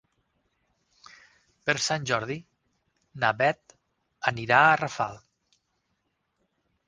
Per Sant Jordi na Beth anirà a Rafal.